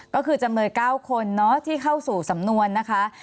ก็คือจำเลย๙คนที่เข้าสู่สำนวนนะคะ